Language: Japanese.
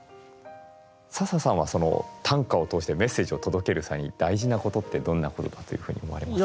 笹さんはその短歌を通してメッセージを届ける際に大事なことってどんなことだというふうに思われますか？